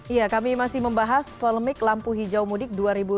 ya kami masih membahas polemik lampu hijau mudik dua ribu dua puluh